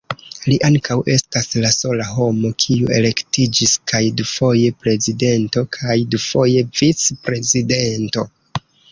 Li ankaŭ estas la sola homo, kiu elektiĝis kaj dufoje prezidento, kaj dufoje vic-prezidento.